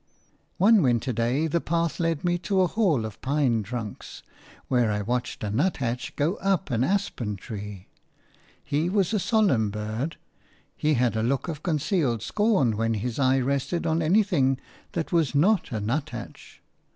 One winter day the path led me to a hall of pine trunks, where I watched a nuthatch go up an aspen tree. He was a solemn bird; he had a look of concealed scorn when his eye rested on anything that was not a nuthatch.